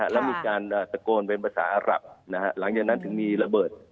แล้วมีการตะโกนเป็นภาษาอารับหลังจากนั้นถึงมีระเบิด